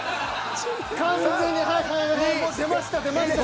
完全に出ました出ました。